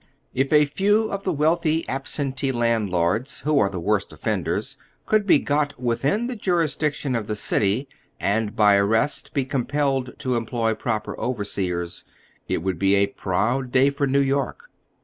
If a few of the wealthy absentee landlords, who are the woi'st offenders, could be got within the jurisdiction of the city, and by ar rest be compelled to employ proper overseers, it would be a proud day for New York.